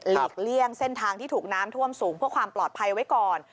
เลี่ยงเส้นทางที่ถูกน้ำท่วมสูงเพื่อความปลอดภัยไว้ก่อน